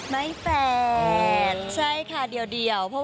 ไม่แฟดใช่คะเดียวเพราะ